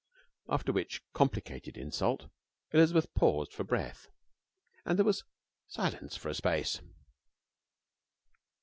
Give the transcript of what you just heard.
After which complicated insult Elizabeth paused for breath, and there was silence for a space.